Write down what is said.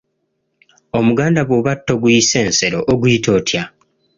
Omuganda bw'oba toguyise nsero oguyita otya?